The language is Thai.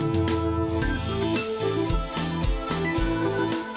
สวัสดีค่ะ